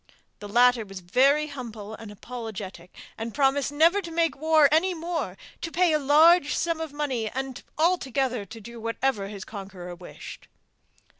The latter was very humble and apologetic, and promised never to make war any more, to pay a large sum of money, and altogether do whatever his conqueror wished.